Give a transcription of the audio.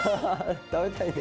たべたいね。